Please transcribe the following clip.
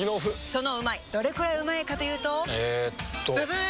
そのうまいどれくらいうまいかというとえっとブブー！